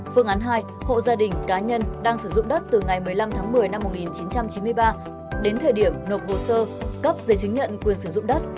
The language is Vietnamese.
phương án hai hộ gia đình cá nhân đang sử dụng đất từ ngày một mươi năm tháng một mươi năm một nghìn chín trăm chín mươi ba đến thời điểm nộp hồ sơ cấp giấy chứng nhận quyền sử dụng đất